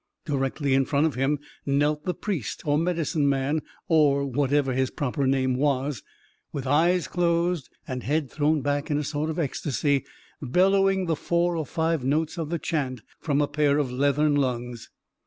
Directly in front of him knelt the priest, or medicine man, or whatever his proper name was, with eyes closed, and head thrown back in a sort of ecstasy, bellowing the four or five notes of the chant from a pair of leathern lungs.